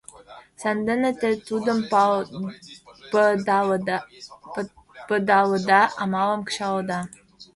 Сандене те тудым пыдалыда, амалым кычалыда.